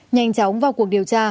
nhanh chóng vào cuộc điều tra